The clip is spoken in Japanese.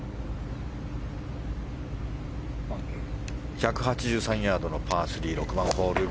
１８３ヤードのパー３６番ホール。